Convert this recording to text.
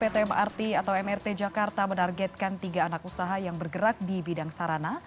pt mrt atau mrt jakarta menargetkan tiga anak usaha yang bergerak di bidang sarana